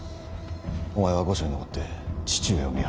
お前は御所に残って父上を見張れ。